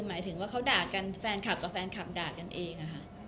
หมายถึงว่าเขาด่ากันแฟนคลับกับแฟนคลับด่ากันเอง